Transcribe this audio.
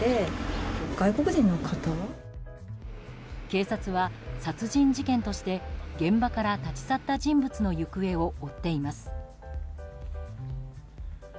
警察は、殺人事件として現場から立ち去った人物の行方を追っています。